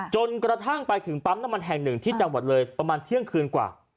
จนกระทั่งไปถึงปั๊มน้ำมันแห่งหนึ่งที่จังหวัดเลยประมาณเที่ยงคืนกว่า